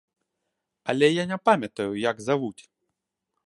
Але я не памятаю, як завуць.